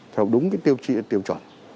theo đúng cái tiêu trị tiêu chuẩn